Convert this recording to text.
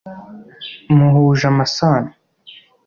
muhuje amasano ?